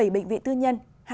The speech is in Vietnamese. bảy bệnh viện tư nhân